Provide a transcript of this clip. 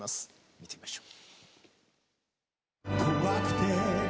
見てみましょう。